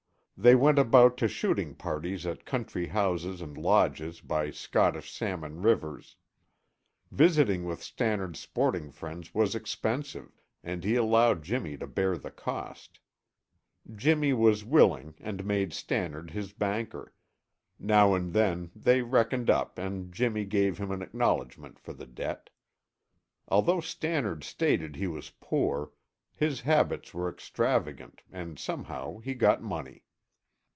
They went about to shooting parties at country houses and lodges by Scottish salmon rivers. Visiting with Stannard's sporting friends was expensive and he allowed Jimmy to bear the cost. Jimmy was willing and made Stannard his banker; now and then they reckoned up and Jimmy gave him an acknowledgment for the debt. Although Stannard stated he was poor, his habits were extravagant and somehow he got money.